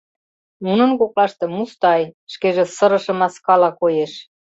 Нунын коклаште — Мустай, шкеже сырыше маскала коеш.